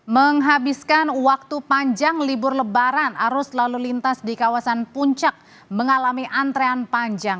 menghabiskan waktu panjang libur lebaran arus lalu lintas di kawasan puncak mengalami antrean panjang